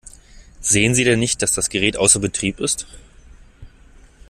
Sehen Sie denn nicht, dass das Gerät außer Betrieb ist?